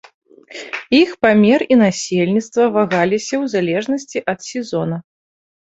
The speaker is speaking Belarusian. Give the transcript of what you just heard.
Іх памер і насельніцтва вагаліся ў залежнасці ад сезона.